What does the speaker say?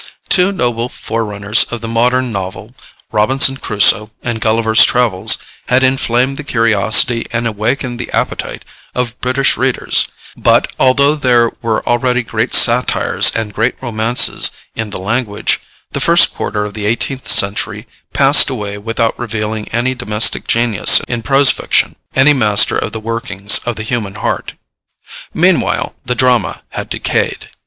Two noble forerunners of the modern novel, Robinson Crusoe and Gulliver's Travels, had inflamed the curiosity and awakened the appetite of British readers; but, although there were already great satires and great romances in the language, the first quarter of the eighteenth century passed away without revealing any domestic genius in prose fiction, any master of the workings of the human heart. Meanwhile the drama had decayed.